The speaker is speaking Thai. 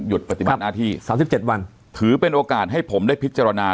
ปฏิบัติหน้าที่๓๗วันถือเป็นโอกาสให้ผมได้พิจารณา